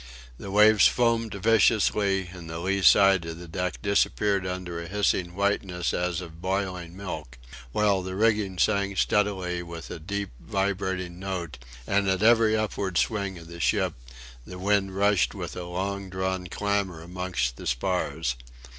The waves foamed viciously, and the lee side of the deck disappeared under a hissing whiteness as of boiling milk, while the rigging sang steadily with a deep vibrating note, and, at every upward swing of the ship, the wind rushed with a long drawn clamour amongst the spars.